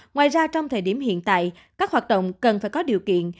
ngoài ra trong thời điểm hiện tại các hoạt động cần phải có điều kiện